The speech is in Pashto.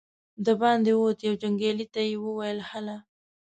د باندې ووت، يوه جنګيالي ته يې وويل: هله!